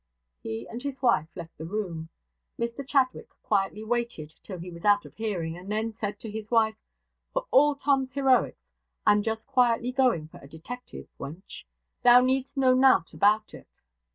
He and his wife left the room. Mr Chadwick quietly waited till he was out of hearing, and then said to his wife, 'For all Tom's heroics, I'm just quietly going for a detective, wench. Thou need'st know nought about it.'